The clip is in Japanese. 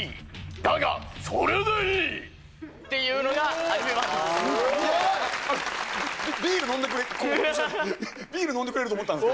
「だがそれでいい」っていうのがアニメ版です